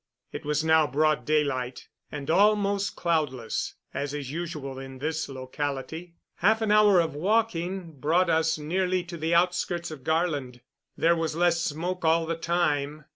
It was now broad daylight and almost cloudless, as is usual in this locality. Half an hour of walking brought us nearly to the outskirts of Garland. There was less smoke all the time.